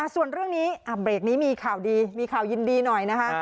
ส่วนเรื่องนี้เบรกนี้มีข่าวดีมีข่าวยินดีหน่อยนะคะ